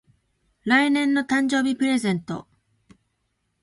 来年の誕生日プレゼント